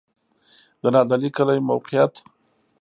د نادعلي کلی موقعیت